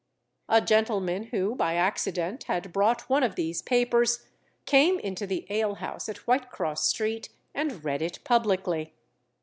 A gentleman who by accident had brought one of these papers, came into the alehouse at Whitecross Street, and read it publicly.